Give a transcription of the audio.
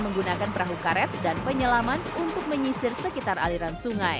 menggunakan perahu karet dan penyelaman untuk menyisir sekitar aliran sungai